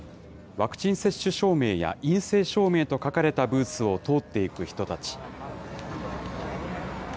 ワクチン接種証明や陰性証明と書かれたブースを通っていく人たち。